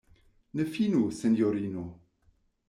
Ne finu, sinjorino!